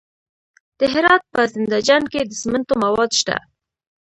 د هرات په زنده جان کې د سمنټو مواد شته.